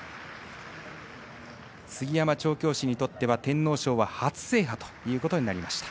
杉山調教師にとっては天皇賞は初制覇ということになりました。